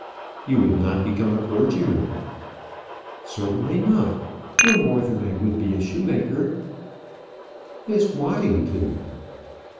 "You would not become a clergyman?" "Certainly not; no more than I would be a shoemaker." "Miss Waddington!"